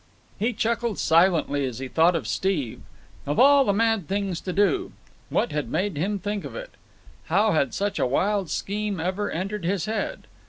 He chuckled silently as he thought of Steve. Of all the mad things to do! What had made him think of it? How had such a wild scheme ever entered his head?